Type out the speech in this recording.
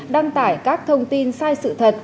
đăng tải các thông tin sai sự thật